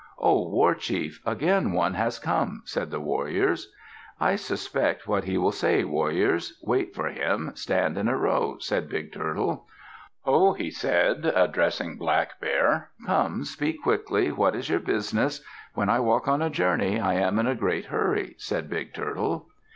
"O war chief, again one has come," said the warriors. "I suspect what he will say, warriors. Wait for him. Stand in a row," said Big Turtle. "Ho," he said, addressing Black Bear. "Come, speak quickly. What is your business? When I walk on a journey, I am in a great hurry," said Big Turtle.